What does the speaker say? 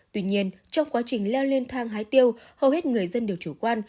tuy nhiên trong quá trình leo lên thang hái tiêu hầu hết người dân đều chủ quan